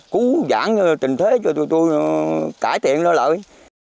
cứu giãn tình thế cho tụi tôi cải thiện lại